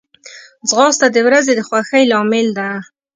ځغاسته د ورځې د خوښۍ لامل ده